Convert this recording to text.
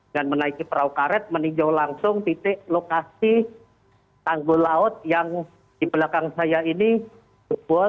dan menaiki perahu karet meninjau langsung titik lokasi tanggul laut yang di belakang saya ini jebol